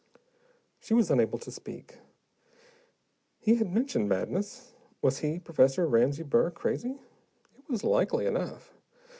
She was unable to speak. He had mentioned madness: was he, Professor Ramsey Burr, crazy? It was likely enough.